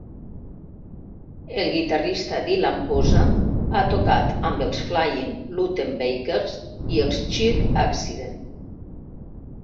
El guitarrista Dylan Posa ha tocat amb els Flying Luttenbachers i els Cheer-Accident.